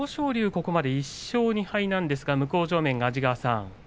ここまで１勝２敗なんですが、向正面の安治川さん